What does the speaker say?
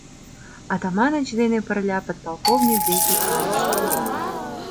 Атаманыч дене пырля подполковник деке кайышт.